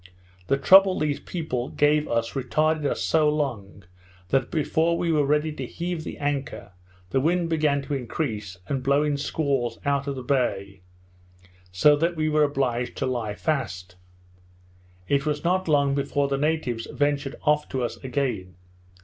The trouble these people gave us retarded us so long, that, before we were ready to heave the anchor, the wind began to increase, and blew in squalls out of the bay, so that we were obliged to lie fast. It was not long before the natives ventured off to us again.